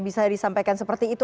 bisa disampaikan seperti itu